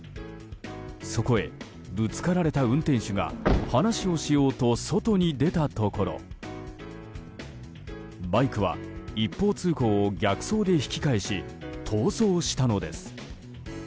そこへ、ぶつかられた運転手が話をしようと外に出たところ、バイクは一方通行を逆走で引き返し逃走したのです。